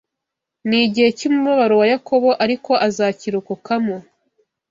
Ni igihe cy’umubabaro wa Yakobo ariko azakirokokamo